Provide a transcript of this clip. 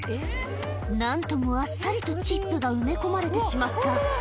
なんともあっさりとチップが埋め込まれてしまった。